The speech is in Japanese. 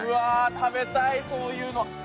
食べたいそういうの。